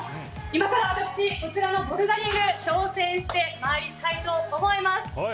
今から私こちらのボルダリングに挑戦してまいりたいと思います。